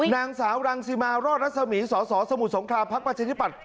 นางสาวรังสิมารอดรัศมีสสสมุทรสงครามพักประชาธิปัตย